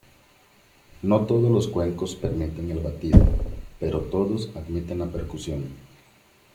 No todos los cuencos permiten el batido, pero todos admiten la percusión.